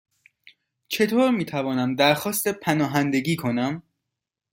چطور می توانم درخواست پناهندگی کنم؟